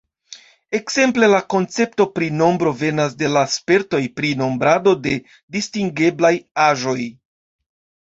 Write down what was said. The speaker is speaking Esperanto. Ekzemple la koncepto pri nombro venas de la spertoj pri nombrado de distingeblaj aĵoj.